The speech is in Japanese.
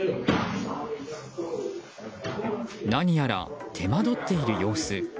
何やら手間取っている様子。